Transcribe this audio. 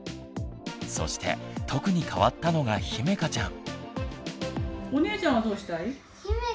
そして特に変わったのがひめかちゃん。